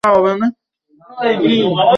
আমরা এটা এখনি বাতিল করে দিতে পারব।